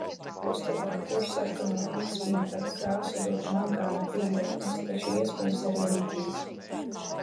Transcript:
Uzskata, ka koši sarkano biksbīta krāsu dod mangāna piejaukums, taču iespējams, arī litijs.